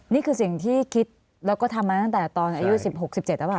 นี่คือสิ่งที่คิดและกดทำมาตั้งแต่ตอนอายุสิบหกสิบเจ็บรึเปล่า